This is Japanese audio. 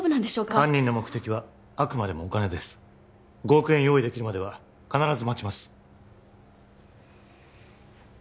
犯人の目的はあくまでもお金です５億円用意できるまでは必ず待ちます